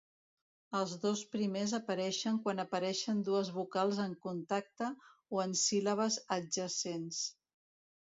Els dos primers apareixen quan apareixen dues vocals en contacte o en síl·labes adjacents.